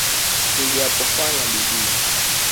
Nijapofanya bidii,